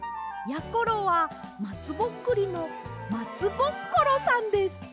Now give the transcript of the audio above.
ころはまつぼっくりのまつぼっコロさんです！